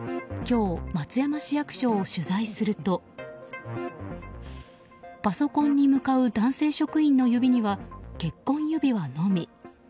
今日、松山市役所を取材するとパソコンに向かう男性職員の指には結婚指輪のみ。